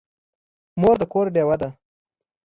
مور د کور ډېوه ده.